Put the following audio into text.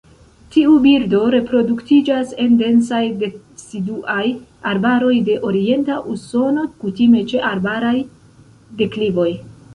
Tiu birdo reproduktiĝas en densaj deciduaj arbaroj de orienta Usono, kutime ĉe arbaraj deklivoj.